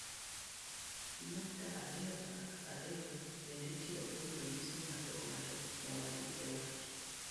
nyukta ariyo ariyo bende itiyogo mondo onyis ni ng'ato ong'ado nyawadgi iwach